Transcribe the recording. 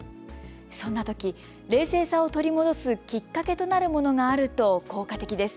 そんなとき冷静さを取り戻すきっかけとなるものがあると効果的です。